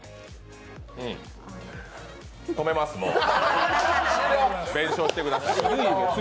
止めます、もう。